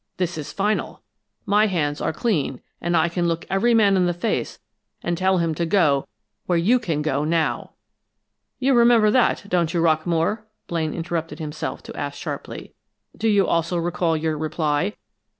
This is final! My hands are clean, and I can look every man in the face and tell him to go where you can go now!' "You remember that, don't you, Rockamore?" Blaine interrupted himself to ask sharply. "Do you also recall your reply?